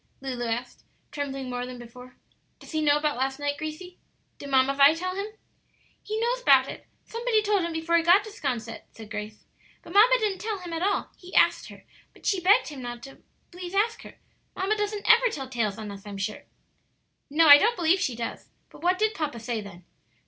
Lulu asked, trembling more than before. "Does he know about last night, Gracie? Did Mamma Vi tell him?" "He knows 'bout it; somebody told him before he got to 'Sconset," said Grace. "But mamma didn't tell him at all; he asked her, but she begged him to please not ask her. Mamma doesn't ever tell tales on us, I'm sure." "No, I don't believe she does. But what did papa say then?"